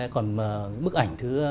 còn bức ảnh thứ